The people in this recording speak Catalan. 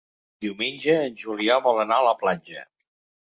Diumenge en Julià vol anar a la platja.